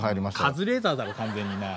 カズレーザーだろ完全になあ。